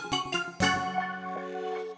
baik terimakasih pak